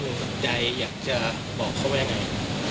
ยายอยากจะบอกเขาว่าอย่างไร